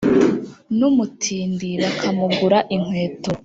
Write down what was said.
n’umutindi bakamugura inkweto.